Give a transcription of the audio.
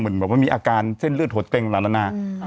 เหมือนว่ามีอาการเส้นเลือดหดเต็งละนะนะ